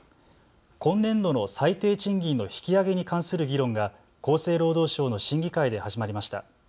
今年度の最低賃金の引き上げに関する議論が厚生労働省の審議会で始まりました。